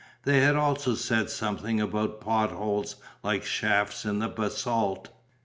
They had also said something about pot holes like shafts in the basalt.